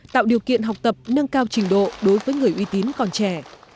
tạo điều kiện học tập nâng cao trình độ đối với người uy tín còn trẻ